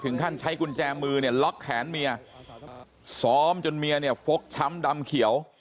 ขั้นใช้กุญแจมือเนี่ยล็อกแขนเมียซ้อมจนเมียเนี่ยฟกช้ำดำเขียว